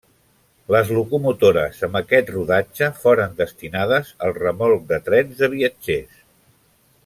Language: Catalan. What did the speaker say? Les locomotores amb aquest rodatge foren destinades al remolc de trens de viatgers.